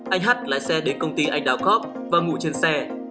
anh hát lái xe đến công ty anh đào cop và ngủ trên xe